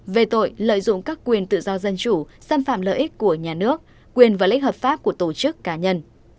về tội lợi dụng các quyền tự do dân chủ xâm phạm lợi ích của nhà nước quyền và lợi ích hợp pháp của tổ chức cá nhân